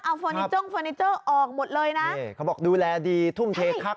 เอาเฟอร์นิเจอร์เฟอร์นิเจอร์ออกหมดเลยนะนี่เขาบอกดูแลดีทุ่มเทคัก